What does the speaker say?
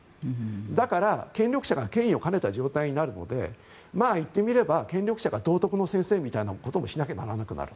だから、権力者が権威を兼ねた状態になるので言ってみれば権力者が道徳の先生みたいなこともしないといけなくなる。